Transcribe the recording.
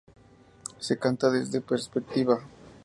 Se canta desde su perspectiva.